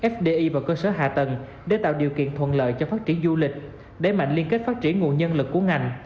fdi vào cơ sở hạ tầng để tạo điều kiện thuận lợi cho phát triển du lịch đẩy mạnh liên kết phát triển nguồn nhân lực của ngành